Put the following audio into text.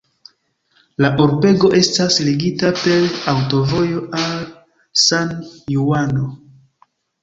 La urbego estas ligita per aŭtovojo al San-Juano.